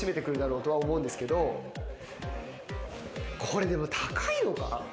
これでも高いのか？